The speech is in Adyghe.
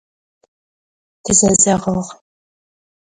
Тызэзэгъыгъ.